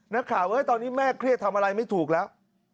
นักข่าวตอนนี้แม่เครียดทำอะไรไม่ถูกแล้ว